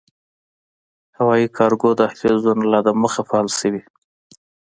هوايي کارګو دهلېزونه لا دمخه “فعال” شوي